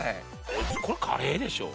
これカレーでしょ。